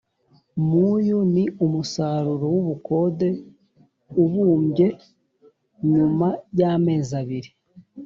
muyu ni umusaruro w ubukode ubumbye nyuma yamezi abiri